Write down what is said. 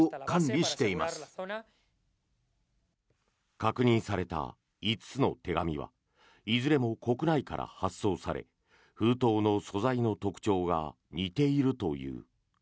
確認された５つの手紙はいずれも国内から発送され封筒の素材の特徴が似ているという。